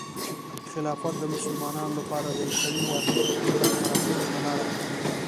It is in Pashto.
خلافت د مسلمانانو لپاره د یو قوي واحد قدرت پراختیا ته لاره پرانیزي.